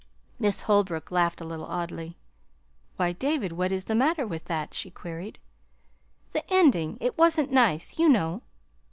Miss Holbrook laughed a little oddly. "Why, David, what is the matter with that?" she queried. "The ending; it wasn't nice, you know."